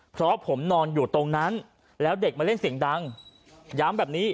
เพราะผมนอนอยู่ตรงนั้นแล้วเด็กมาเล่นเสียงดังย้ำแบบนี้